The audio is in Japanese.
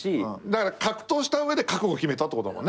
だから葛藤した上で覚悟決めたってことだもんね。